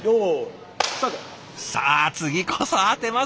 さあ次こそ当てますよ！